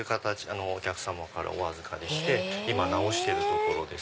お客さまからお預かりして今直してるところです。